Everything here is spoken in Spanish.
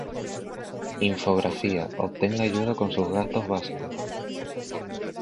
Infografía: obtenga ayuda con sus gastos básicos